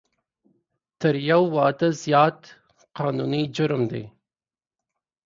تر یو واده زیات قانوني جرم دی